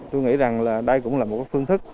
tôi nghĩ rằng là đây cũng là một phương thức